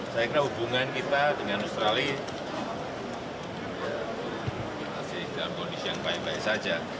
saya kira hubungan kita dengan australia masih dalam kondisi yang baik baik saja